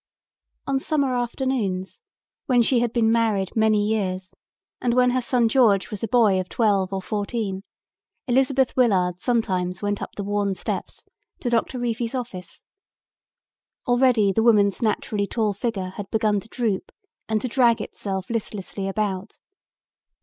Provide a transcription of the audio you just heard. On summer afternoons, when she had been married many years and when her son George was a boy of twelve or fourteen, Elizabeth Willard sometimes went up the worn steps to Doctor Reefy's office. Already the woman's naturally tall figure had begun to droop and to drag itself listlessly about.